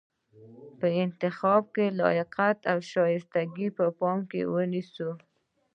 په انتخاب کې لیاقت او شایستګي په پام کې ونیسو.